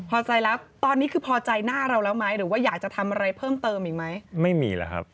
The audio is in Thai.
พอใจแล้วตอนนี้คือพอใจหน้าเราแล้วไหมหรือว่าอยากจะทำอะไรเพิ่มเติมอีกไหมไม่มีแล้วครับ